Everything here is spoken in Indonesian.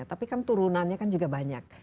tapi kan turunannya kan juga banyak